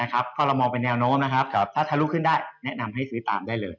ครับถ้าเรามองเป็นแนวโน้มถ้าทะลุขึ้นได้แนะนำให้ซื้อตามได้เลย